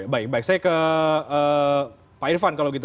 baik baik saya ke pak irvan kalau begitu